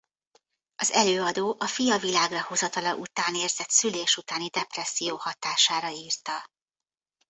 Az előadó a fia világra hozatala után érzett szülés utáni depresszió hatására írta.